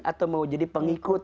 atau mau jadi pengikut